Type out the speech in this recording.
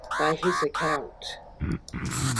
By his account.